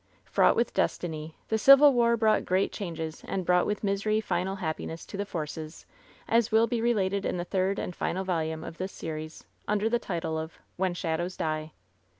Fraught with destiny, the Civil War brought great changes and brought with misery final happiness to the Forces, as will be related in the third and final volume of this series, under the title of '^When Shadows Die."